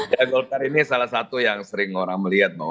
ya golkar ini salah satu yang sering orang melihat